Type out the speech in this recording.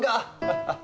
ハハハッ。